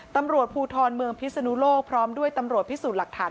ตำรวจภูทรเมืองพิศนุโลกพร้อมด้วยตำรวจพิสูจน์หลักฐาน